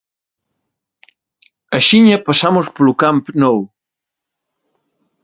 Axiña pasamos polo Camp Nou.